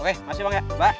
oke makasih bang ya bye